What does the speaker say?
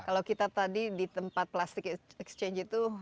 kalau kita tadi di tempat plastic exchange itu